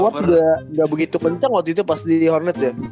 gua kayak ngobot udah gak begitu kenceng waktu itu pas di hornets ya